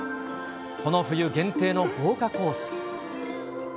この冬限定の豪華コース。